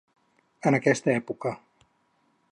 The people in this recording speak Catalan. En aquesta època.